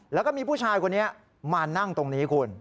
แล้วก็มีผู้ชายคนนี้มานั่งตรงนี้คุณ